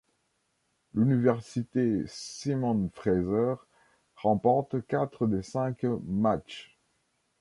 L'Université Simon Fraser remporte quatre des cinq matches.